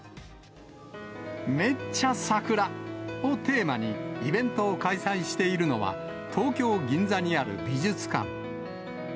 めっちゃ桜をテーマに、イベントを開催しているのは、東京・銀座にある美術館。